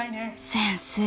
先生